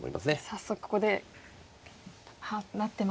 早速ここでなってますね。